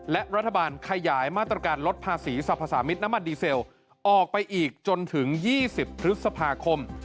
และรัฐบาลขยายมาตรการลดภาษีสรรพสามิตรน้ำมันดีเซลออกไปอีกจนถึง๒๐พฤษภาคม